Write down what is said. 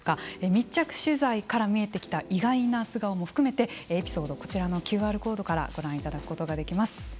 密着取材から見えてきた意外な素顔も含めてエピソードはこちらのＱＲコードからご覧いただくことができます。